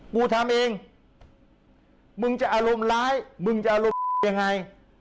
กูทำเองมึงจะอารมณ์ร้ายมึงจะอารมณ์ยังไง